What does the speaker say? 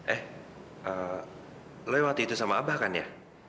eh lo emang tidur sama abah kan ya